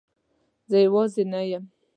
زه یوازی نه یم